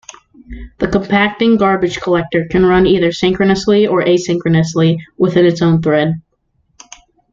The compacting garbage collector can run either synchronously or asynchronously within its own thread.